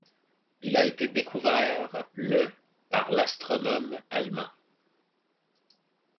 Il a été découvert le par l'astronome allemand.